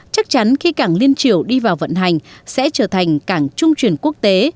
chắc chắn khi cảng liên chiều đi vào vận hành sẽ trở thành cảng trung truyền quốc tế